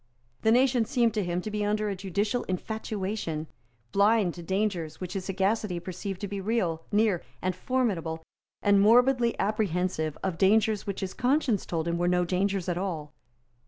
The nation seemed to him to be under a judicial infatuation, blind to dangers which his sagacity perceived to be real, near and formidable, and morbidly apprehensive of dangers which his conscience told him were no dangers at all.